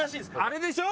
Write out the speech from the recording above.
あれでしょ？